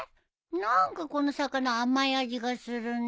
何かこの魚甘い味がするね。